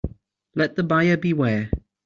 Let the buyer beware.